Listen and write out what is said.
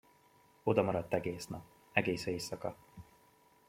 Odamaradt egész nap, egész éjszaka.